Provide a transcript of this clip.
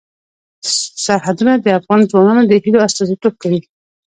سرحدونه د افغان ځوانانو د هیلو استازیتوب کوي.